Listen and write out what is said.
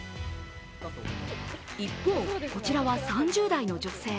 一方、こちらは３０代の女性。